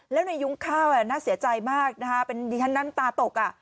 แล้วในยุ้งข้าวน่าเสียใจมากนะคะเป็นดิฉันน้ำตาตก